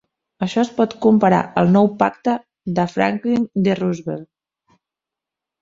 Això es pot comparar al Nou Pacte de Franklin D. Roosevelt.